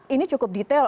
ini cukup detail